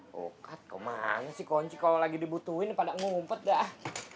buka kok mana sih konci kalo lagi dibutuhin pada ngumpet dah